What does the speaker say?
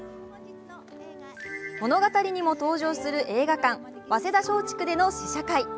物語にも登場する映画館早稲田松竹での試写会。